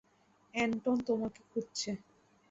এন্টন তোমাকে খুঁজছে।